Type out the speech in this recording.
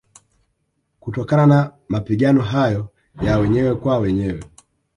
Kutokana na Mapigano hayo ya wenyewe kwa wenyewe